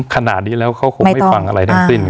ขนาดนี้แล้วเขาคงไม่ฟังอะไรทั้งสิ้น